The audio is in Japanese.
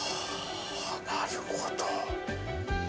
なるほど。